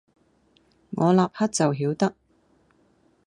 我立刻就曉得，